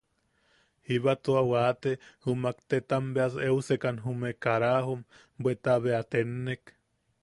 Jiba tua waate jumak tetam beas eusekan jume karajom, bweta bea tennek.